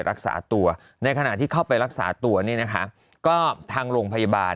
รักษาตัวในขณะที่เข้าไปรักษาตัวเนี่ยนะคะก็ทางโรงพยาบาล